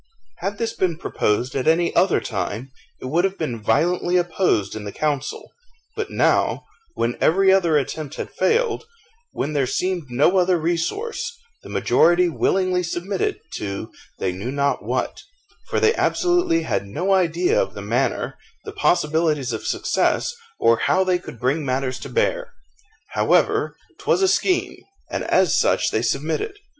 Had this been proposed at any other time, it would have been violently opposed in the council; but now, when every other attempt had failed, when there seemed no other resource, the majority willingly submitted to they knew not what, for they absolutely had no idea of the manner, the possibilities of success, or how they could bring matters to bear. However, 'twas a scheme, and as such they submitted.